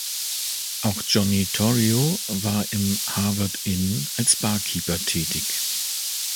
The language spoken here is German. Auch Johnny Torrio war im Harvard Inn als Barkeeper tätig.